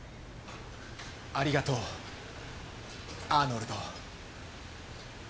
ありがとうアーノルド。